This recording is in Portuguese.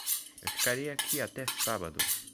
Eu ficarei aqui até sábado.